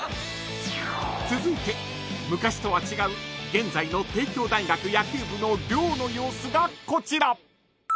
［続いて昔とは違う現在の帝京大学野球部の寮の様子がこちら］